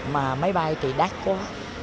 mà máy bay thì đắt quá